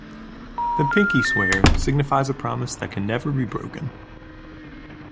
The pinky swear signifies a promise that can never be broken.